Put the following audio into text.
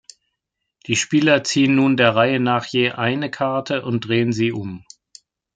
Die Spieler ziehen nun der Reihe nach je eine Karte und drehen sie um.